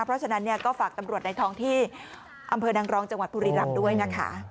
เพราะฉะนั้นก็ฝากตำรวจในท้องที่อำเภอนางรองจังหวัดบุรีรำด้วยนะคะ